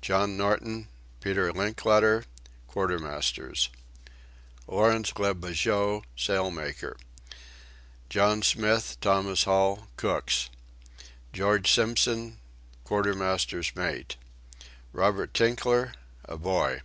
John Norton, Peter Linkletter: Quarter Masters. Lawrence Lebogue: Sailmaker. John Smith, Thomas Hall: Cooks. George Simpson: Quarter Master's Mate. Robert Tinkler: A boy.